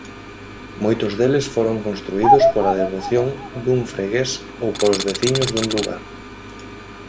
Moitos deles foron construídos pola devoción dun fregués ou polos veciños dun lugar.